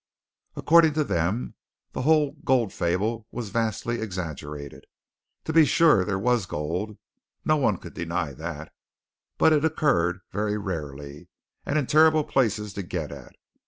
According to them the whole gold fable was vastly exaggerated. To be sure there was gold, no one could deny that, but it occurred very rarely, and in terrible places to get at.